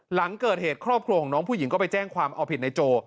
หลังเกิดเหตุครอบครัวของน้องผู้หญิงก็ไปแจ้งความเอาผิดในโจ